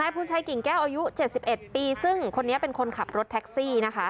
นายภูนชายกิ่งแก้อายุเจ็ดสิบเอ็ดปีซึ่งคนนี้เป็นคนขับรถแท็กซี่นะคะ